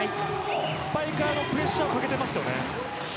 スパイカーにプレッシャーをかけてますよね。